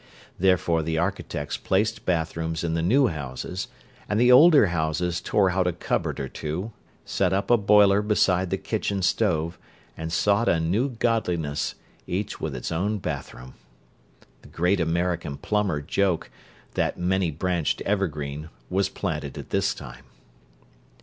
Therefore the architects placed bathrooms in the new houses, and the older houses tore out a cupboard or two, set up a boiler beside the kitchen stove, and sought a new godliness, each with its own bathroom. The great American plumber joke, that many branched evergreen, was planted at this time.